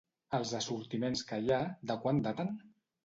Els assortiments que hi ha, de quan daten?